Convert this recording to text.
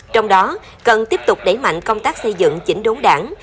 trong đó cần tiếp tục đẩy mạnh công tác xây dựng chỉnh đốn đảng